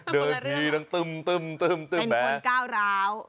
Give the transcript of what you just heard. เดินทีนางตึ้มตึ้มตึ้มเป็นคนก้าวร้าว